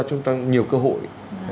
cho chúng ta nhiều cơ hội